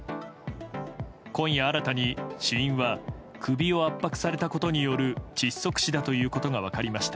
今夜新たに死因は首を圧迫されたことによる窒息死だということが分かりました。